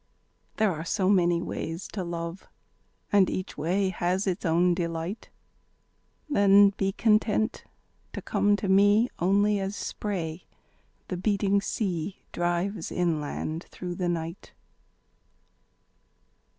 There are so many ways to love And each way has its own delight Then be content to come to me Only as spray the beating sea Drives inland through the night.